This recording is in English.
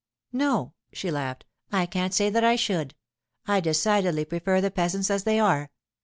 'No,' she laughed, 'I can't say that I should! I decidedly prefer the peasants as they are.